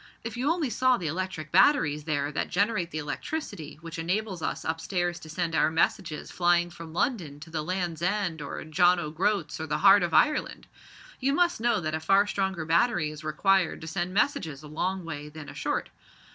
If you only saw the electric batteries there that generate the electricity which enables us up stairs to send our messages flying from London to the Land's End or John o' Groat's, or the heart of Ireland! You must know that a far stronger battery is required to send messages a long way than a short.